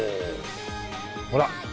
ほら。